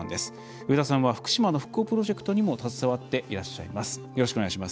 上田さんは福島の復興プロジェクトにも携わっていらっしゃいます。